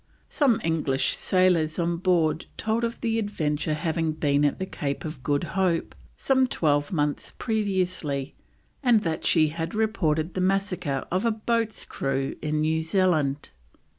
Some English sailors on board told of the Adventure having been at the Cape of Good Hope some twelve months previously, and that she had reported the massacre of a boat's crew in New Zealand.